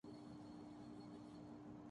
ان میں سے ایک مذہب ہے۔